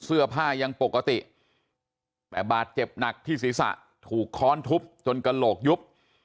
เสื้อผ้ายังปกติแต่บาดเจ็บหนักที่ศีรษะถูกค้อนทุบจนกระโหลกยุบ